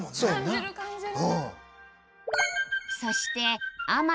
感じる感じる！